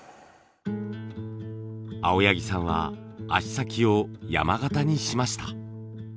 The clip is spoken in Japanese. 青柳さんは足先を山型にしました。